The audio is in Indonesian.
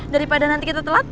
daripada nanti kita telat